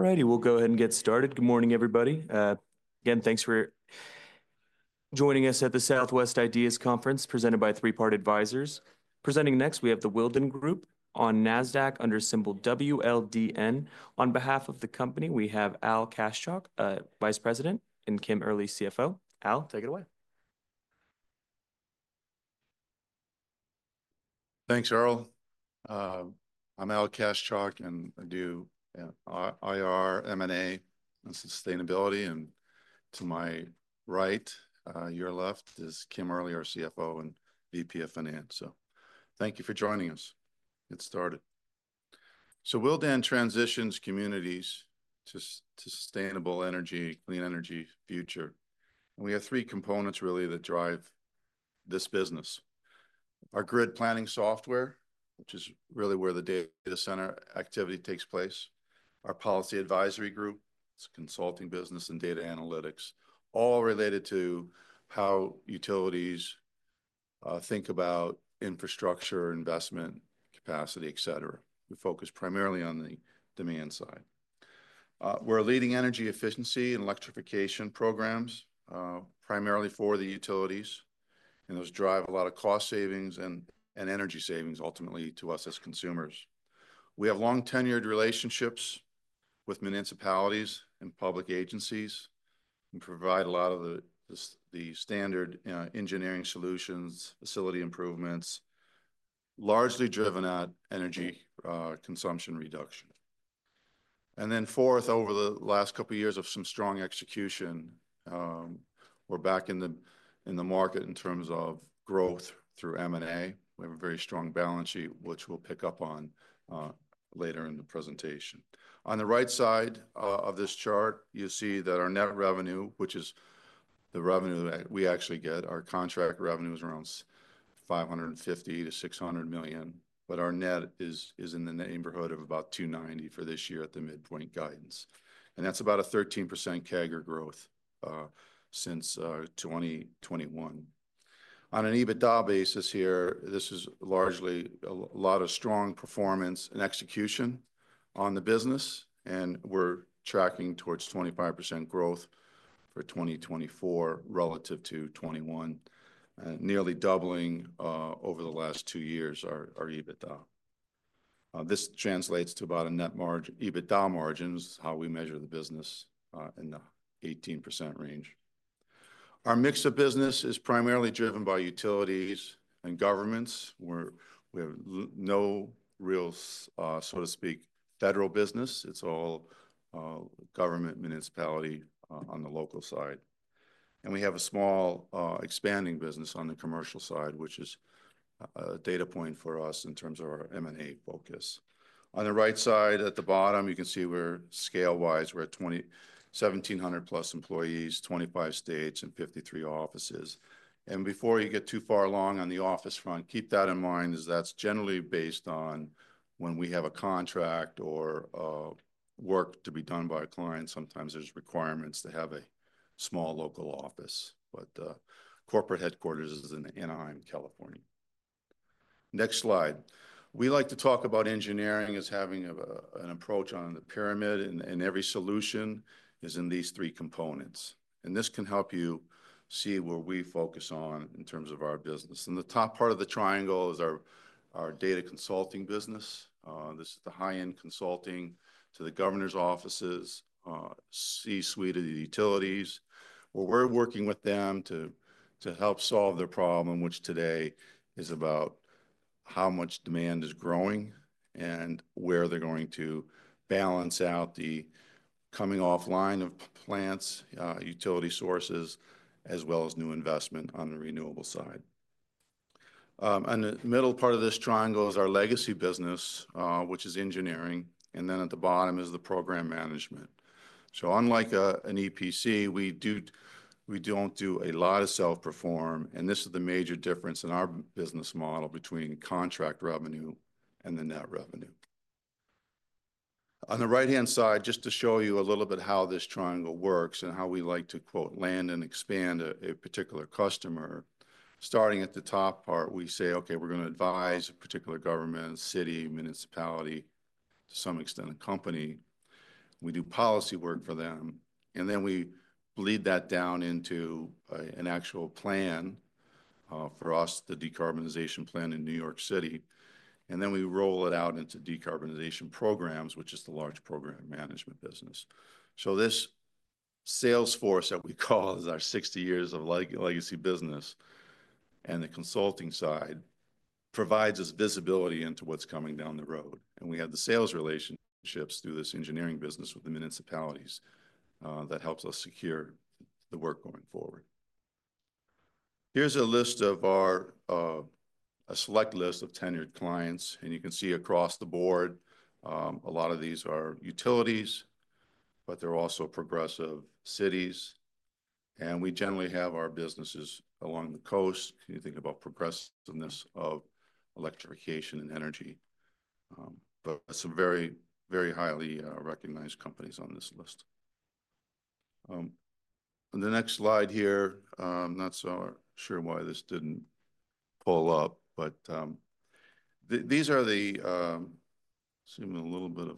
All righty, we'll go ahead and get started. Good morning, everybody. Again, thanks for joining us at the Southwest IDEAS Conference presented by Three Part Advisors. Presenting next, we have the Willdan Group on Nasdaq under symbol WLDN. On behalf of the company, we have Al Kaschalk, Vice President, and Kim Early, CFO. Al, take it away. Thanks, Earl. I'm Al Kaschalk, and I do IR, M&A, and sustainability. And to my right, your left, is Kim Early, our CFO and VP of Finance. So thank you for joining us. Let's get started. So Willdan transitions communities to sustainable energy, clean energy future. And we have three components, really, that drive this business: our grid planning software, which is really where the data center activity takes place, our policy advisory group, it's a consulting business in data analytics, all related to how utilities think about infrastructure, investment, capacity, etc. We focus primarily on the demand side. We're leading energy efficiency and electrification programs, primarily for the utilities, and those drive a lot of cost savings and energy savings, ultimately, to us as consumers. We have long-tenured relationships with municipalities and public agencies and provide a lot of the standard engineering solutions, facility improvements, largely driven by energy consumption reduction. And then fourth, over the last couple of years of some strong execution, we're back in the market in terms of growth through M&A. We have a very strong balance sheet, which we'll pick up on later in the presentation. On the right side of this chart, you see that our net revenue, which is the revenue that we actually get, our contract revenue is around $550 million-$600 million, but our net is in the neighborhood of about $290 million for this year at the midpoint guidance. And that's about a 13% CAGR growth since 2021. On an EBITDA basis here, this is largely a lot of strong performance and execution on the business, and we're tracking towards 25% growth for 2024 relative to 2021, nearly doubling over the last two years our EBITDA. This translates to about a net margin, EBITDA margins, how we measure the business, in the 18% range. Our mix of business is primarily driven by utilities and governments. We have no real, so to speak, federal business. It's all government, municipality on the local side, and we have a small, expanding business on the commercial side, which is a data point for us in terms of our M&A focus. On the right side, at the bottom, you can see we're scale-wise, we're at over 1,700+ employees, 25 states, and 53 offices. Before you get too far along on the office front, keep that in mind, as that's generally based on when we have a contract or work to be done by a client. Sometimes there's requirements to have a small local office. Corporate headquarters is in Anaheim, California. Next slide. We like to talk about engineering as having an approach on the pyramid, and every solution is in these three components. This can help you see where we focus on in terms of our business. The top part of the triangle is our data consulting business. This is the high-end consulting to the governor's offices, C-suite of the utilities, where we're working with them to help solve their problem, which today is about how much demand is growing and where they're going to balance out the coming offline of plants, utility sources, as well as new investment on the renewable side, and the middle part of this triangle is our legacy business, which is engineering, and then at the bottom is the program management. So unlike an EPC, we don't do a lot of self-perform, and this is the major difference in our business model between contract revenue and the net revenue. On the right-hand side, just to show you a little bit how this triangle works and how we like to, quote, land and expand a particular customer, starting at the top part, we say, okay, we're gonna advise a particular government, city, municipality, to some extent a company. We do policy work for them, and then we bleed that down into an actual plan, for us, the decarbonization plan in New York City, and then we roll it out into decarbonization programs, which is the large program management business, so this sales force that we call is our 60 years of legacy business, and the consulting side provides us visibility into what's coming down the road, and we have the sales relationships through this engineering business with the municipalities, that helps us secure the work going forward. Here's a list of our, a select list of tenured clients, and you can see across the board, a lot of these are utilities, but they're also progressive cities, and we generally have our businesses along the coast. You think about progressiveness of electrification and energy, but some very, very highly recognized companies on this list. On the next slide here, not so sure why this didn't pull up, but these are the, seeing a little bit of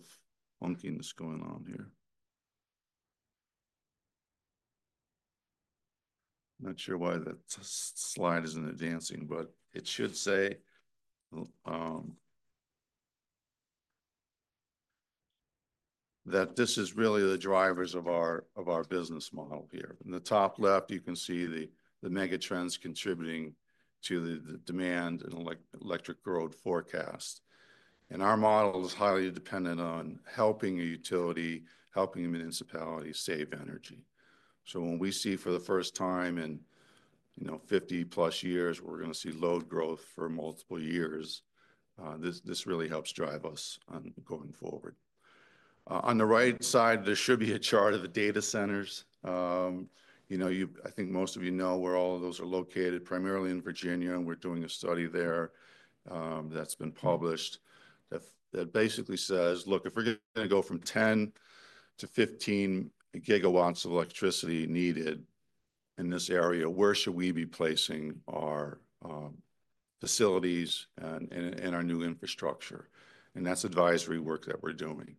funkiness going on here. Not sure why that slide isn't advancing, but it should say that this is really the drivers of our, of our business model here. In the top left, you can see the mega trends contributing to the demand and electric growth forecast, and our model is highly dependent on helping a utility, helping a municipality save energy. So when we see for the first time in, you know, 50+ years, we're gonna see load growth for multiple years. This really helps drive us ongoing forward. On the right side, there should be a chart of the data centers. You know, I think most of you know where all of those are located, primarily in Virginia, and we're doing a study there. That's been published that basically says, look, if we're gonna go from 10 GW-15 GW of electricity needed in this area, where should we be placing our facilities and our new infrastructure? And that's advisory work that we're doing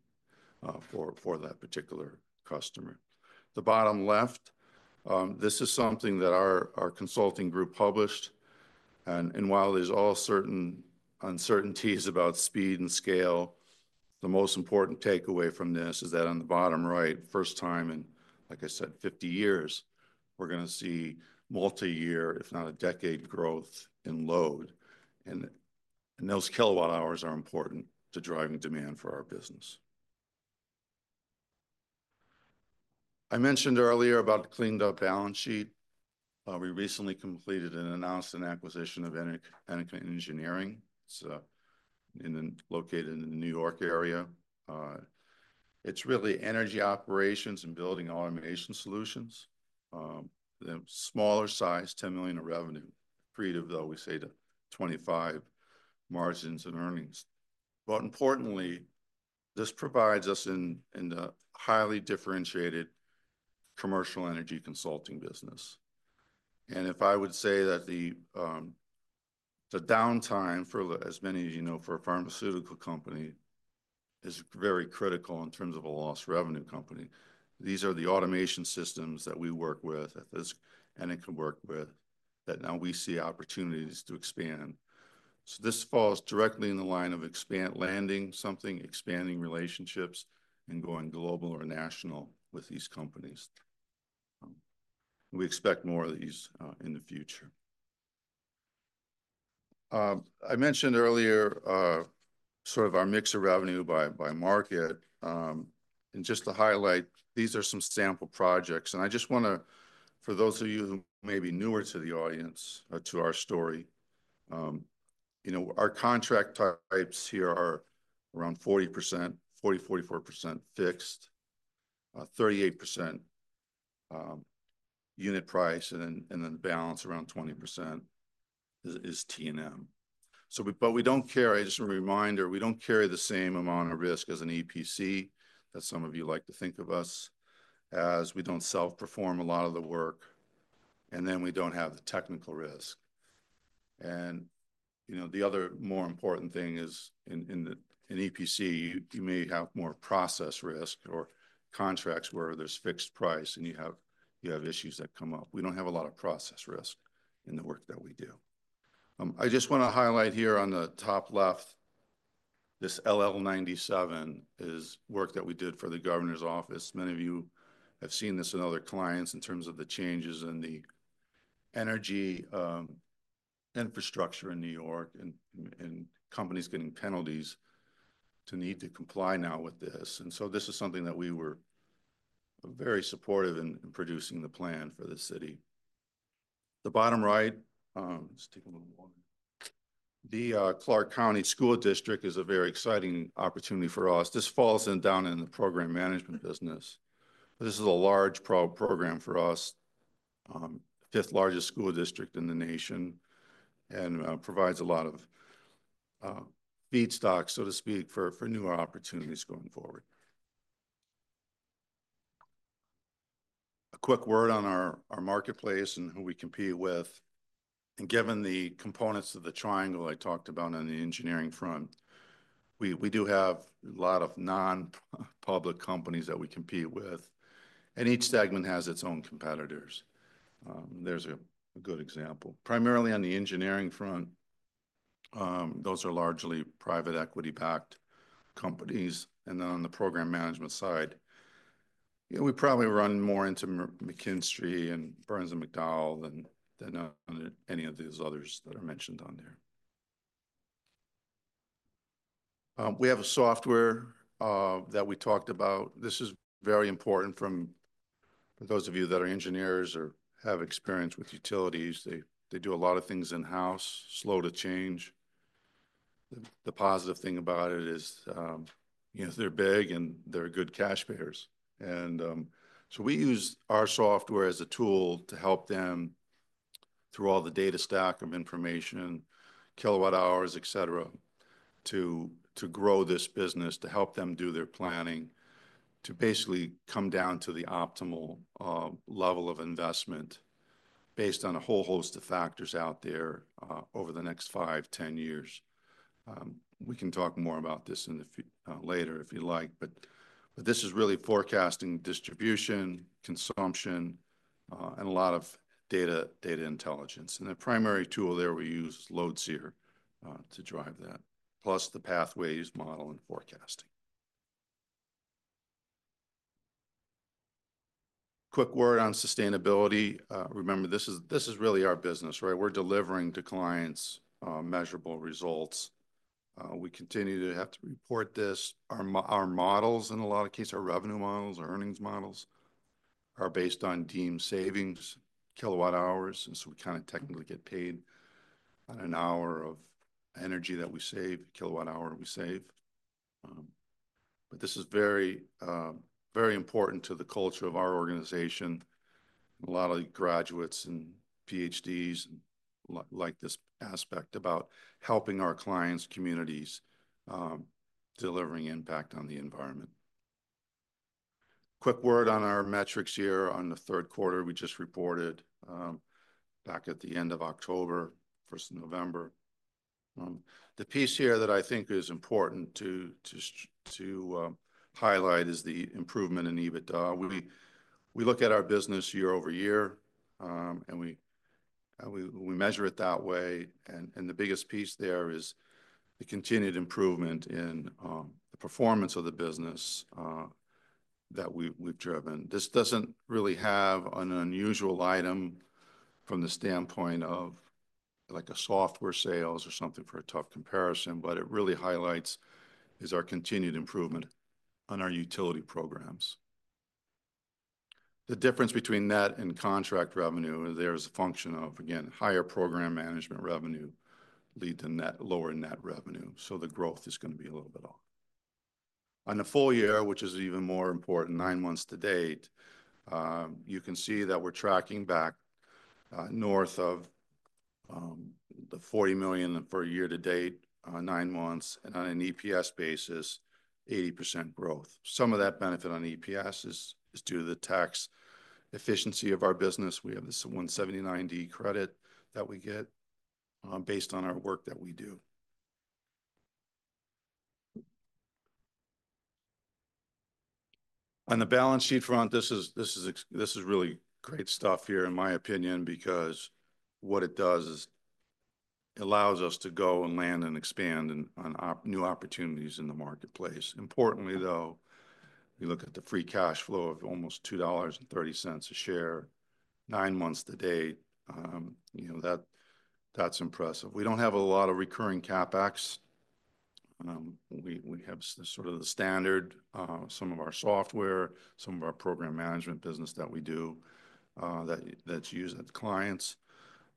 for that particular customer. The bottom left, this is something that our consulting group published. And while there's all certain uncertainties about speed and scale, the most important takeaway from this is that on the bottom right, first time in, like I said, 50 years, we're gonna see multi-year, if not a decade, growth in load. And those kilowatt hours are important to driving demand for our business. I mentioned earlier about the cleaned-up balance sheet. We recently completed and announced an acquisition of Enica Engineering. It's located in the New York area. It's really energy operations and building automation solutions. The smaller size, $10 million of revenue, creating 20 to 25% margins and earnings. But importantly, this provides us entry into a highly differentiated commercial energy consulting business. And if I would say that the downtime for, as many of you know, for a pharmaceutical company is very critical in terms of a lost revenue company. These are the automation systems that we work with at this. And it can work with that now we see opportunities to expand. So this falls directly in the line of expand landing something, expanding relationships, and going global or national with these companies. We expect more of these in the future. I mentioned earlier sort of our mix of revenue by market. And just to highlight, these are some sample projects. And I just wanna, for those of you who may be newer to the audience, to our story, you know, our contract types here are around 40%, 40, 44% fixed, 38% unit price, and then the balance around 20% is T&M. Just a reminder, we don't carry the same amount of risk as an EPC, as some of you like to think of us as. We don't self-perform a lot of the work, and then we don't have the technical risk. You know, the other more important thing is in EPC, you may have more process risk or contracts where there's fixed price, and you have issues that come up. We don't have a lot of process risk in the work that we do. I just wanna highlight here on the top left, this LL97 is work that we did for the governor's office. Many of you have seen this in other clients in terms of the changes in the energy infrastructure in New York and companies getting penalties to need to comply now with this. This is something that we were very supportive in producing the plan for the city. The bottom right just takes a little longer. The Clark County School District is a very exciting opportunity for us. This falls in the program management business, but this is a large program for us, fifth largest school district in the nation and provides a lot of feedstock, so to speak, for newer opportunities going forward. A quick word on our marketplace and who we compete with. Given the components of the triangle I talked about on the engineering front, we do have a lot of non-public companies that we compete with, and each segment has its own competitors. There's a good example. Primarily on the engineering front, those are largely private equity-backed companies. And then on the program management side, you know, we probably run more into McKinstry and Burns & McDonnell than than any of these others that are mentioned on there. We have a software that we talked about. This is very important from for those of you that are engineers or have experience with utilities. They do a lot of things in-house, slow to change. The positive thing about it is, you know, they're big and they're good cash payers. And so we use our software as a tool to help them through all the data stack of information, kilowatt hours, etc., to grow this business, to help them do their planning, to basically come down to the optimal level of investment based on a whole host of factors out there, over the next 5, 10 years. We can talk more about this later if you'd like, but this is really forecasting distribution, consumption, and a lot of data intelligence. And the primary tool there we use is LoadSEER, to drive that, plus the Pathways model and forecasting. Quick word on sustainability. Remember, this is really our business, right? We're delivering to clients measurable results. We continue to have to report this. Our models, in a lot of cases, our revenue models or earnings models are based on deemed savings, kilowatt hours. And so we kind of technically get paid on an hour of energy that we save, kilowatt hour we save. But this is very important to the culture of our organization. A lot of graduates and PhDs like this aspect about helping our clients, communities, delivering impact on the environment. Quick word on our metrics here on the third quarter. We just reported, back at the end of October, first of November. The piece here that I think is important to highlight is the improvement in EBITDA. We look at our business year-over-year, and we measure it that way, and the biggest piece there is the continued improvement in the performance of the business that we've driven. This doesn't really have an unusual item from the standpoint of like a software sales or something for a tough comparison, but it really highlights is our continued improvement on our utility programs. The difference between net and contract revenue, there's a function of, again, higher program management revenue lead to net, lower net revenue. So the growth is gonna be a little bit off. On the full year, which is even more important, nine months to date, you can see that we're tracking back north of the $40 million for a year to date, nine months, and on an EPS basis, 80% growth. Some of that benefit on EPS is due to the tax efficiency of our business. We have this 179D credit that we get, based on our work that we do. On the balance sheet front, this is really great stuff here, in my opinion, because what it does is it allows us to go and land and expand and on our new opportunities in the marketplace. Importantly, though, we look at the free cash flow of almost $2.30 a share, nine months to date. You know, that's impressive. We don't have a lot of recurring CapEx. We have sort of the standard, some of our software, some of our program management business that we do, that's used at the clients.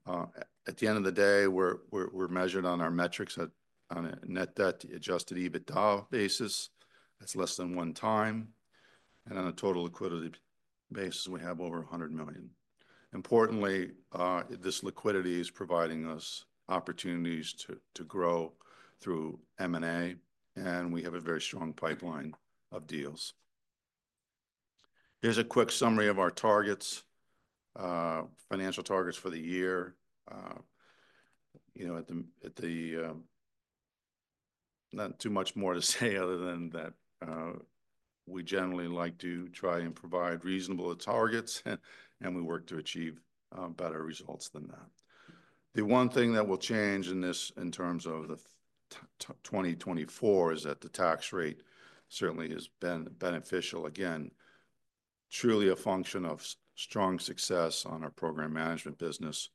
At the end of the day, we're measured on our metrics on a net debt adjusted EBITDA basis. That's less than one time. On a total liquidity basis, we have over $100 million. Importantly, this liquidity is providing us opportunities to grow through M&A, and we have a very strong pipeline of deals. Here's a quick summary of our targets, financial targets for the year. You know, not too much more to say other than that, we generally like to try and provide reasonable targets, and we work to achieve better results than that. The one thing that will change in this in terms of 2024 is that the tax rate certainly has been beneficial. Again, truly a function of strong success on our program management business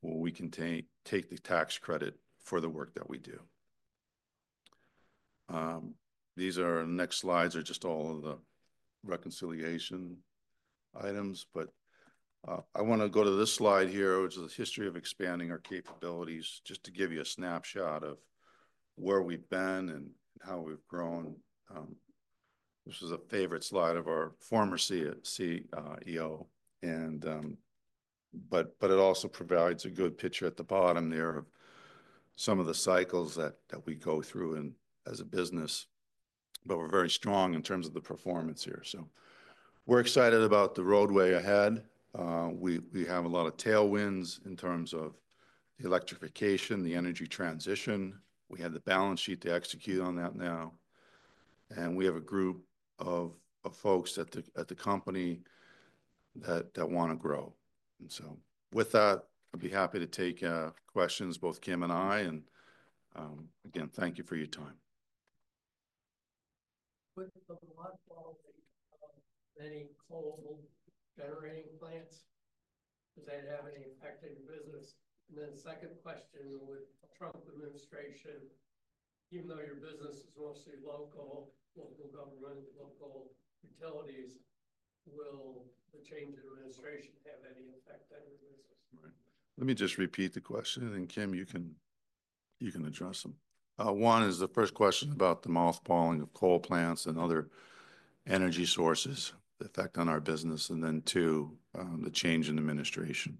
where we can take the tax credit for the work that we do. These, the next slides, are just all of the reconciliation items, but I wanna go to this slide here, which is the history of expanding our capabilities, just to give you a snapshot of where we've been and how we've grown. This is a favorite slide of our former CEO, and but it also provides a good picture at the bottom there of some of the cycles that we go through in, as a business, but we're very strong in terms of the performance here, so we're excited about the road ahead. We have a lot of tailwinds in terms of the electrification, the energy transition. We have the balance sheet to execute on that now, and we have a group of folks at the company that wanna grow. And so with that, I'd be happy to take questions, both Kim and I. And again, thank you for your time. With the phase-out of any coal generating plants, does that have any effect on your business? And then second question, with the Trump administration, even though your business is mostly local government, local utilities, will the change in administration have any effect on your business? Right. Let me just repeat the question, and then Kim, you can address them. One is the first question about the mothballing of coal plants and other energy sources, the effect on our business, and then two, the change in administration.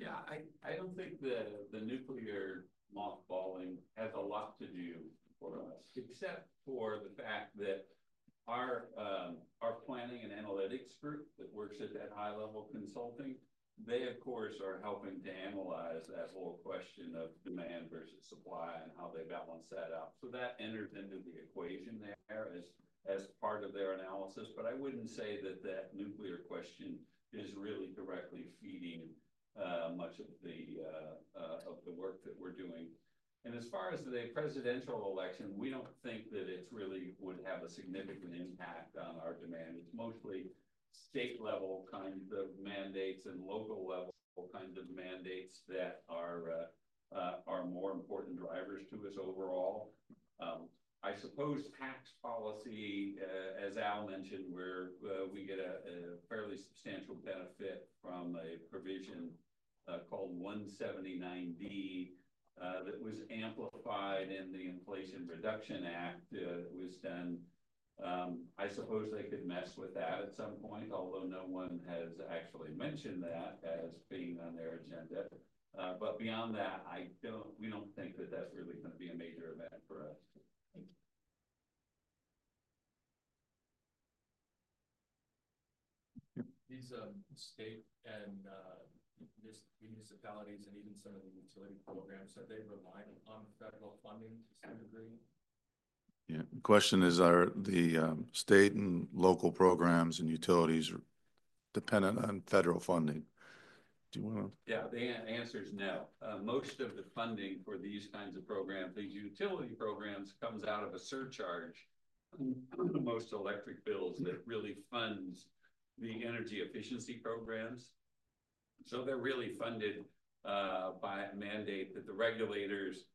Yeah, I don't think the nuclear mothballing has a lot to do for us, except for the fact that our planning and analytics group that works at that high-level consulting, they, of course, are helping to analyze that whole question of demand versus supply and how they balance that out. So that enters into the equation there as part of their analysis. But I wouldn't say that nuclear question is really directly feeding much of the work that we're doing. And as far as the presidential election, we don't think that it really would have a significant impact on our demand. It's mostly state-level kinds of mandates and local-level kinds of mandates that are more important drivers to us overall. I suppose tax policy, as Al mentioned, where we get a fairly substantial benefit from a provision called 179D that was amplified in the Inflation Reduction Act that was done. I suppose they could mess with that at some point, although no one has actually mentioned that as being on their agenda. But beyond that, we don't think that that's really gonna be a major event for us. Thank you. These state and municipalities, and even some of the utility programs, have they relied on federal funding to some degree? Yeah. The question is, are the state and local programs and utilities dependent on federal funding? Do you wanna? Yeah, the answer's no. Most of the funding for these kinds of programs, these utility programs, comes out of a surcharge on most electric bills that really funds the energy efficiency programs. So they're really funded, by a mandate that the regulators,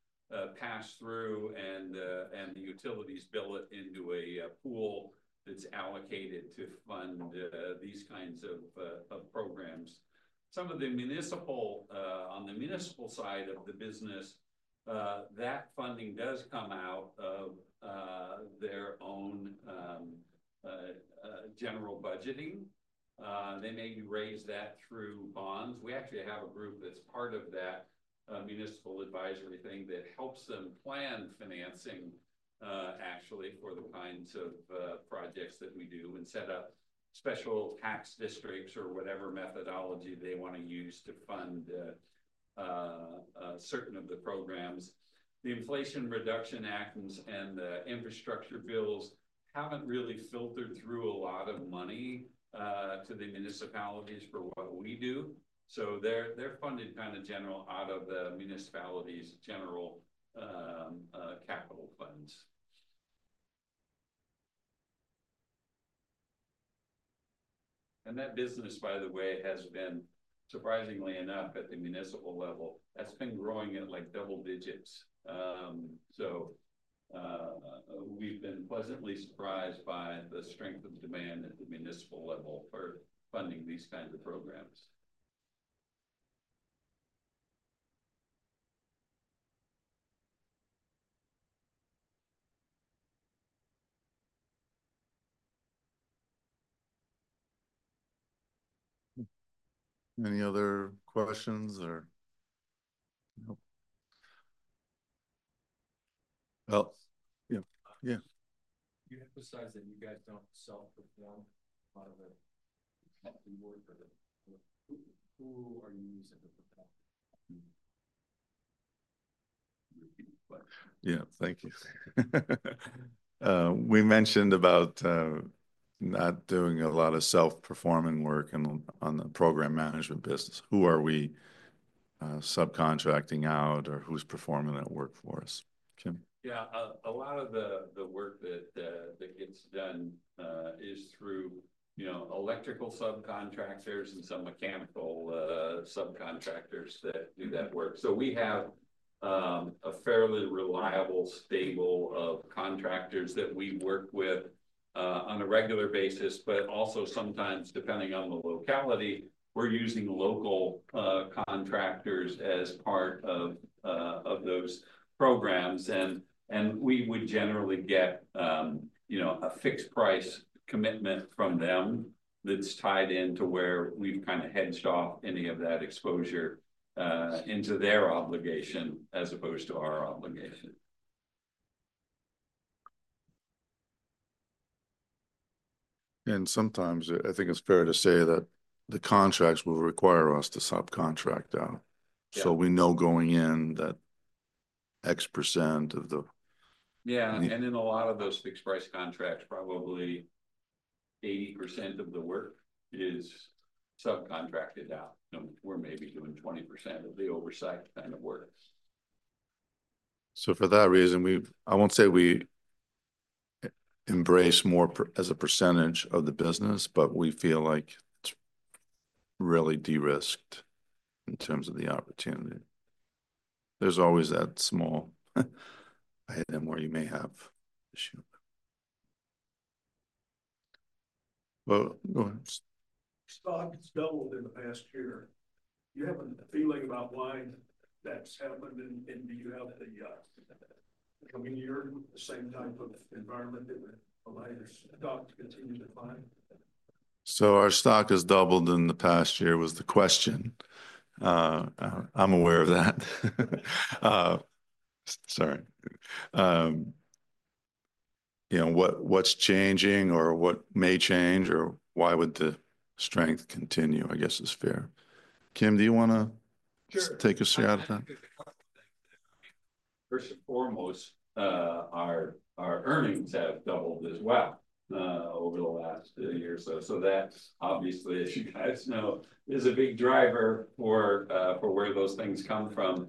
pass through and, and the utilities bill it into a, pool that's allocated to fund, these kinds of, of programs. Some of the municipal, on the municipal side of the business, that funding does come out of, their own, general budgeting. They maybe raise that through bonds. We actually have a group that's part of that, municipal advisory thing that helps them plan financing, actually for the kinds of, projects that we do and set up special tax districts or whatever methodology they wanna use to fund, certain of the programs. The Inflation Reduction Act and the infrastructure bills haven't really filtered through a lot of money to the municipalities for what we do. So they're funded kind of general out of the municipality's general capital funds. And that business, by the way, has been, surprisingly enough, at the municipal level, that's been growing at like double digits. So we've been pleasantly surprised by the strength of demand at the municipal level for funding these kinds of programs. Any other questions or? Nope. Well, yeah. Yeah. You emphasize that you guys don't self-perform a lot of the company work, but who are you using to perform? Repeat the question. Yeah. Thank you. We mentioned about not doing a lot of self-performing work and on the program management business. Who are we subcontracting out or who's performing that work for us? Kim? A lot of the work that gets done is through you know electrical subcontractors and some mechanical subcontractors that do that work. So we have a fairly reliable stable contractors that we work with on a regular basis but also sometimes depending on the locality we're using local contractors as part of those programs. And we would generally get you know a fixed price commitment from them that's tied into where we've kind of hedged off any of that exposure into their obligation as opposed to our obligation. And sometimes I think it's fair to say that the contracts will require us to subcontract out. So we know going in that X% of the. Yeah. And in a lot of those fixed price contracts probably 80% of the work is subcontracted out. And we're maybe doing 20% of the oversight kind of work. So for that reason, we, I won't say we embrace more as a percentage of the business, but we feel like it's really de-risked in terms of the opportunity. There's always that small item where you may have issue. Well, go ahead. Stock has doubled in the past year. Do you have a feeling about why that's happened and do you have the coming year the same type of environment that the Willdan's stock continues to climb? So our stock has doubled in the past year was the question. I'm aware of that. Sorry. You know, what's changing or what may change or why would the strength continue, I guess is fair. Kim, do you wanna take us through that? First and foremost, our earnings have doubled as well over the last year. So that's obviously, as you guys know, a big driver for where those things come from.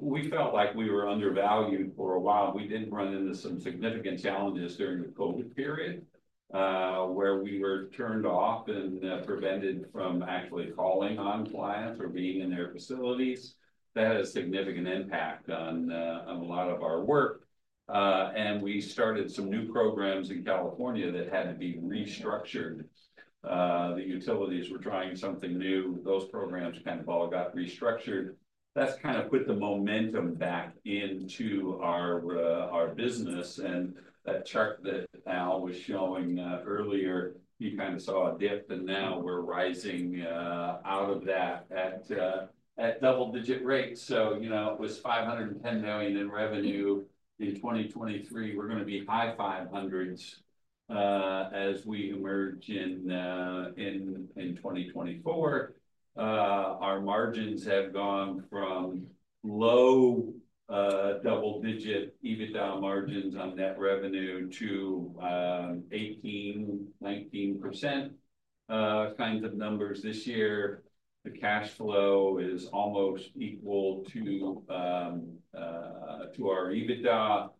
We felt like we were undervalued for a while. We didn't run into some significant challenges during the COVID period, where we were turned off and prevented from actually calling on clients or being in their facilities. That had a significant impact on a lot of our work, and we started some new programs in California that had to be restructured. The utilities were trying something new. Those programs kind of all got restructured. That's kind of put the momentum back into our business, and that chart that Al was showing earlier you kind of saw a dip, and now we're rising out of that at double-digit rates, so you know, it was $510 million in revenue in 2023. We're gonna be high 500s, as we emerge in 2024. Our margins have gone from low double-digit EBITDA margins on net revenue to 18%-19% kinds of numbers this year. The cash flow is almost equal to our EBITDA,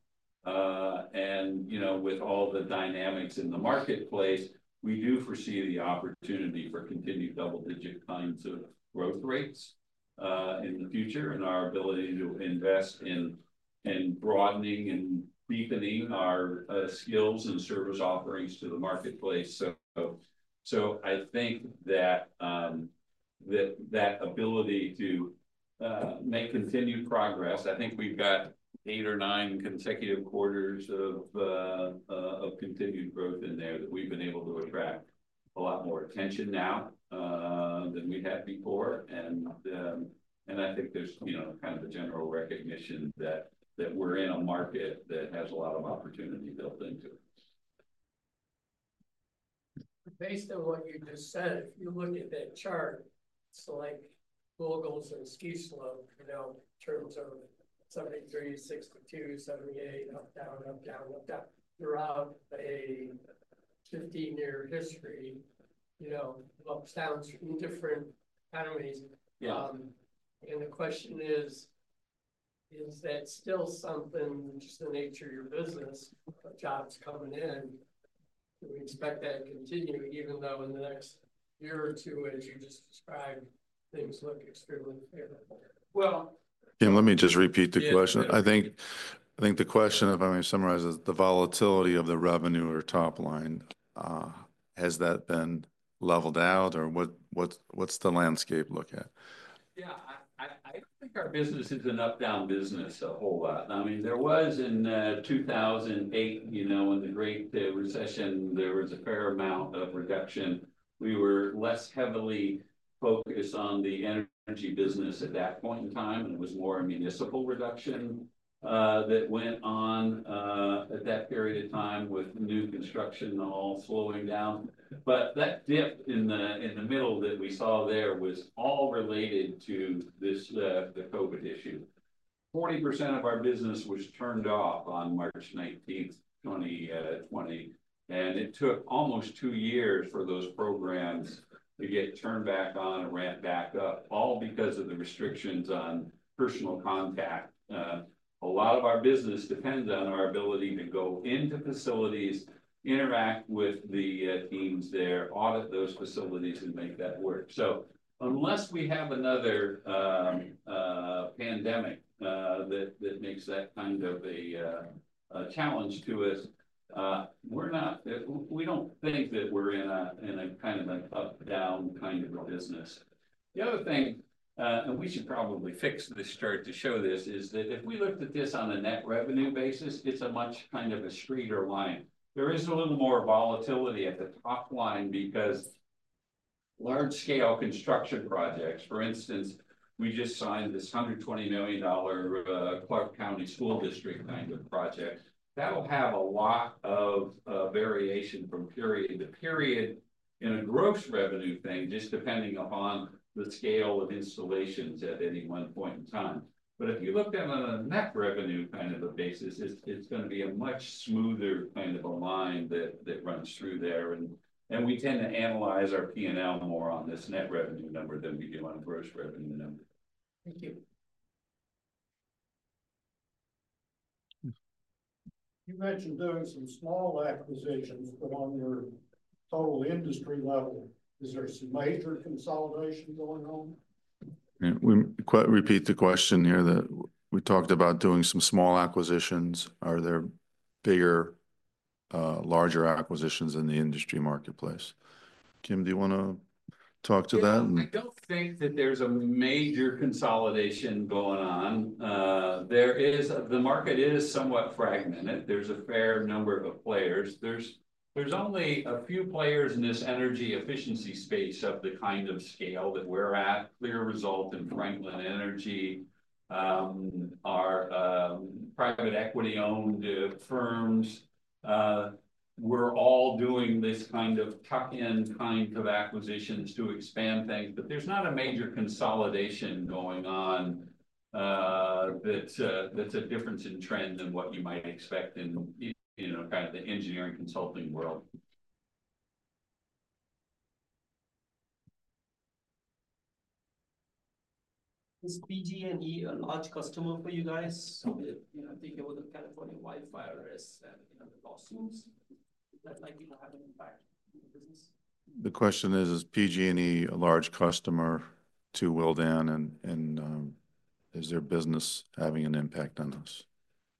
and you know, with all the dynamics in the marketplace, we do foresee the opportunity for continued double-digit kinds of growth rates in the future and our ability to invest in broadening and deepening our skills and service offerings to the marketplace, so I think that ability to make continued progress, I think we've got eight or nine consecutive quarters of continued growth in there that we've been able to attract a lot more attention now than we had before. I think there's, you know, kind of a general recognition that we're in a market that has a lot of opportunity built into it. Based on what you just said, if you look at that chart, it's like moguls and ski slope, you know, in terms of 73, 62, 78, up, down, up, down, up, down throughout a 15-year history, you know, upturns in different quarters. Yeah. And the question is, is that still something just the nature of your business, jobs coming in, do we expect that to continue even though in the next year or two, as you just described, things look extremely favorable? Let me just repeat the question. I think the question of, I mean, summarize the volatility of the revenue or top line, has that been leveled out or what's the landscape look like? Yeah. I don't think our business is an up-down business a whole lot. I mean, there was in 2008, you know, in the great recession, there was a fair amount of reduction. We were less heavily focused on the energy business at that point in time, and it was more a municipal reduction that went on at that period of time with new construction all slowing down. But that dip in the middle that we saw there was all related to the COVID issue. 40% of our business was turned off on March 19th, 2020, and it took almost two years for those programs to get turned back on and ramp back up, all because of the restrictions on personal contact. A lot of our business depends on our ability to go into facilities, interact with the teams there, audit those facilities, and make that work. So unless we have another pandemic that makes that kind of a challenge to us, we're not. We don't think that we're in a kind of an up-down kind of a business. The other thing, and we should probably fix this chart to show this, is that if we looked at this on a net revenue basis, it's a much kind of a straighter line. There is a little more volatility at the top line because large-scale construction projects, for instance, we just signed this $120 million Clark County School District kind of project. That'll have a lot of variation from period to period in a gross revenue thing, just depending upon the scale of installations at any one point in time. But if you looked at it on a net revenue kind of a basis, it's gonna be a much smoother kind of a line that runs through there. And we tend to analyze our P&L more on this net revenue number than we do on a gross revenue number. Thank you. You mentioned doing some small acquisitions along your total industry level. Is there some major consolidation going on? And we'll repeat the question here that we talked about doing some small acquisitions. Are there bigger, larger acquisitions in the industry marketplace? Kim, do you wanna talk to that? I don't think that there's a major consolidation going on. There is, the market is somewhat fragmented. There's a fair number of players. There's only a few players in this energy efficiency space of the kind of scale that we're at. CLEAResult and Franklin Energy are private equity-owned firms. We're all doing this kind of tuck-in kind of acquisitions to expand things, but there's not a major consolidation going on. That's a difference in trend than what you might expect in, you know, kind of the engineering consulting world. Is PG&E a large customer for you guys? I think it was a California wildfire risk and, you know, the lawsuits that might, you know, have an impact on the business. The question is, is PG&E a large customer to Willdan and is their business having an impact on us?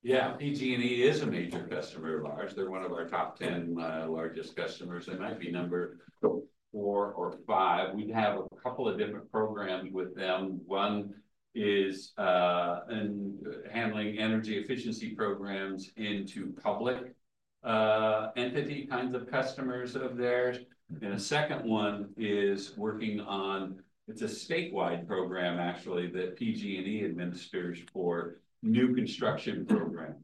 Yeah. PG&E is a major customer of ours. They're one of our top 10 largest customers. They might be number four or five. We'd have a couple of different programs with them. One is in handling energy efficiency programs for public entity kinds of customers of theirs, and a second one is working on. It's a statewide program actually that PG&E administers for new construction programs.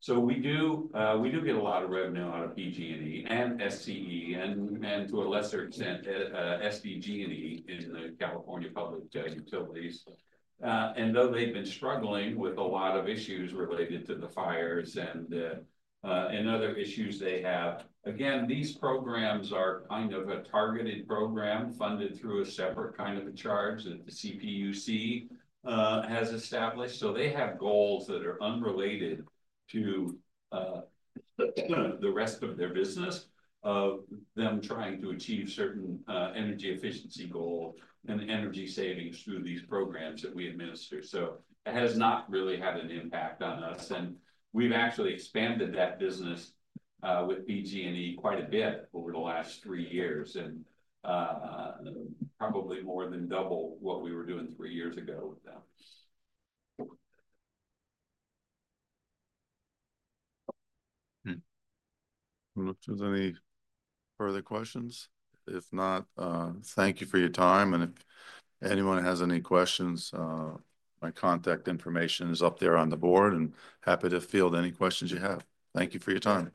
So we do get a lot of revenue out of PG&E and SCE and to a lesser extent SDG&E in the California public utilities, and though they've been struggling with a lot of issues related to the fires and other issues they have. Again, these programs are kind of a targeted program funded through a separate kind of a charge that the CPUC has established. So they have goals that are unrelated to the rest of their business of them trying to achieve certain energy efficiency goals and energy savings through these programs that we administer. So it has not really had an impact on us. And we've actually expanded that business, with PG&E quite a bit over the last three years and, probably more than double what we were doing three years ago with them. Well, if there's any further questions, if not, thank you for your time. And if anyone has any questions, my contact information is up there on the board and happy to field any questions you have. Thank you for your time.